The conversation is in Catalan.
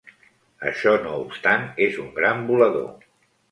Això no obstant, és un gran volador.